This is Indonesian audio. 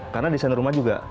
karena desain rumah juga